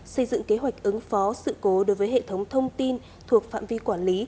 xây dựng kế hoạch ứng phó sự cố đối với hệ thống thông tin thuộc phạm vi quản lý